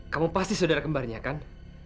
kamu pasti saudara kembarnya kan